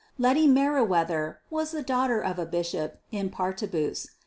Letty Merewether was the daughter of a bishop in partibus.